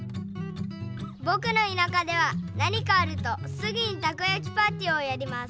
ぼくのいなかでは何かあるとすぐにたこやきパーティーをやります。